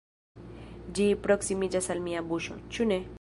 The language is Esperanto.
Ĝi proksimiĝas al mia buŝo, ĉu ne?